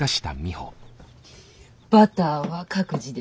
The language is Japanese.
バターは各自でね。